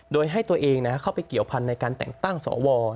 โดยให้ตัวเองเข้าไปเกี่ยวพันธุ์ในการแต่งตั้งสว